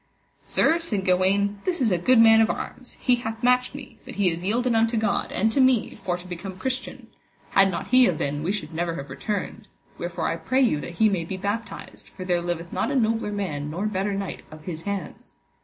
Sir, said Gawaine, this is a good man of arms, he hath matched me, but he is yielden unto God, and to me, for to become Christian; had not he have been we should never have returned, wherefore I pray you that he may be baptised, for there liveth not a nobler man nor better knight of his hands.